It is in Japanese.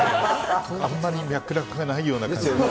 あんまり脈絡がないような感ですよね。